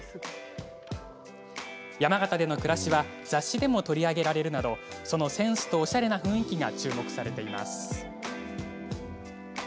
山形での暮らしは雑誌でも取り上げられるなどそのセンスとおしゃれな雰囲気が注目されています。